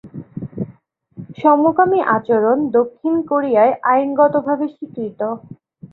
সমকামি আচরণ দক্ষিণ কোরিয়ায় আইনগতভাবে স্বীকৃত।